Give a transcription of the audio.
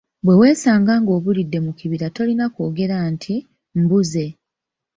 Bwe weesanganga ng’obulidde mu kibira tolina kwogera nti “mbuze”.